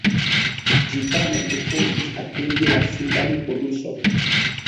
Ĝi tamen ne provis atingi la sudan poluson.